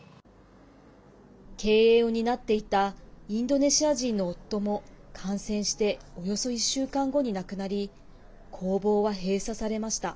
経営を担っていたインドネシア人の夫も感染しておよそ１週間後に亡くなり工房は閉鎖されました。